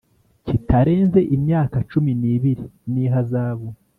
Kitarenze imyaka cumi n ibiri n ihazabu